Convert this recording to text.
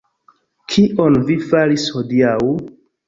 Kion vi faris hodiaŭ?